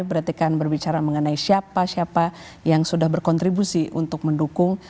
berarti kan berbicara mengenai siapa siapa yang sudah berkontribusi untuk mendukung